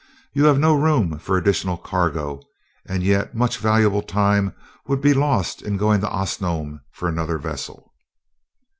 You have no room for additional cargo, and yet much valuable time would be lost in going to Osnome for another vessel."